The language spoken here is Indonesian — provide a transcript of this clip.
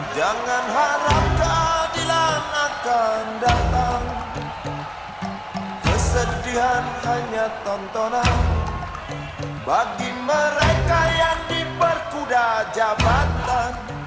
jangan harap keadilan akan datang kesedihan hanya tontonan bagi mereka yang diperkuda jabatan